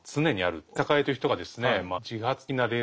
大杉栄という人がですね